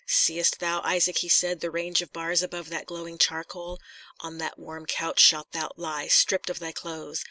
"See'st thou, Isaac," he said, "the range of bars above that glowing charcoal? On that warm couch shalt thou lie, stripped of thy clothes.